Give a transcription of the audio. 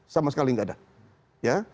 sama sekali tidak ada